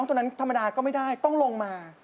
วุ่นวายก็มีในบางครั้ง